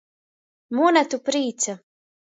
Muna tu prīca!